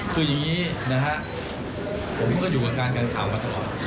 คือยังงี้นะครับผมก็อยู่กับการข่าวมาตลอด